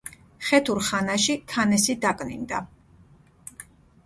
ხეთურ ხანაში ქანესი დაკნინდა.